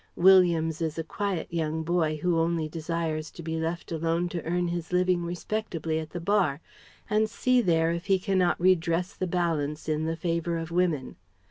Williams is a quiet young man who only desires to be left alone to earn his living respectably at the Bar, and see there if he cannot redress the balance in the favour of women.